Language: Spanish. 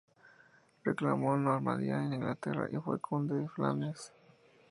Reclamó Normandía e Inglaterra y fue Conde de Flandes.